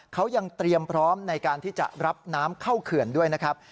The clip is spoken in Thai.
เขายังเตรียมพร้อมในการที่จะรับน้ำเข้าเขื่อนด้วยนะครับ